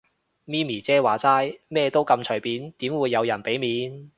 咪咪姐話齋，咩都咁隨便，點會有人俾面